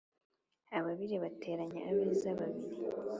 Ababiri bateranya abeza. Babiri